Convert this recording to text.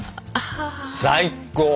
最高！